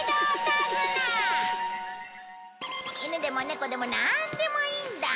イヌでもネコでもなんでもいいんだ。